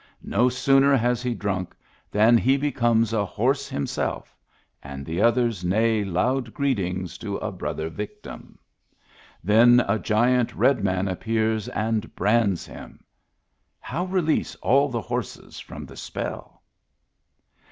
No sooner has he drunk than he becomes a horse himself, and the others neigh loud greetings to a brother victim. Then a giant red man appears and brands him. How release all the horses from the spell